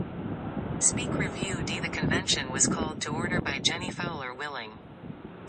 The convention was called to order by Jennie Fowler Willing.